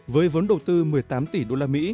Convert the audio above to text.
với vốn đầu tư một mươi tám tỷ usd